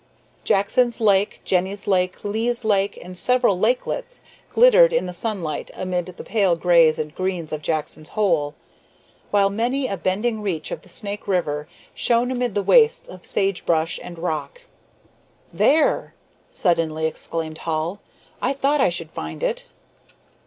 Jackson's Lake, Jenny's Lake, Leigh's Lake, and several lakelets glittered in the sunlight amid the pale grays and greens of Jackson's Hole, while many a bending reach of the Snake River shone amid the wastes of sage brush and rock. "There!" suddenly exclaimed Hall, "I thought I should find it."